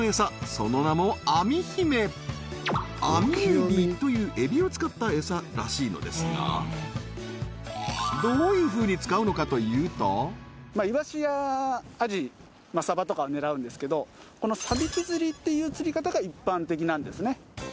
その名もアミ姫アミエビというエビを使ったエサらしいのですがどういうふうに使うのかというとイワシやアジサバとかを狙うんですけどこのサビキ釣りっていう釣り方が一般的なんですね